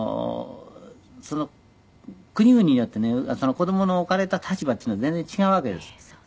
その国々によってね子供の置かれた立場っていうのが全然違うわけです。